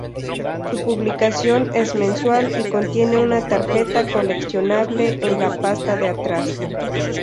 Su publicación es mensual y contienen una tarjeta coleccionable en la pasta de atrás.